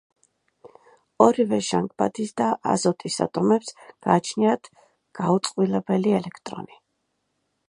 ორივე, ჟანგბადის და აზოტის ატომებს გააჩნიათ გაუწყვილებელი ელექტრონი.